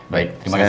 baik terima kasih